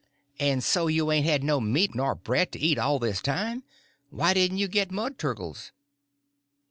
"And so you ain't had no meat nor bread to eat all this time? Why didn't you get mud turkles?"